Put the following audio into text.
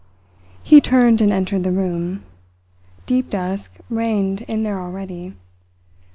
He turned and entered the room. Deep dusk reigned in there already.